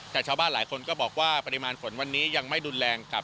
แต่ชาวบ้านหลายคนก็บอกว่าปริมาณฝนวันนี้ยังไม่รุนแรงกับ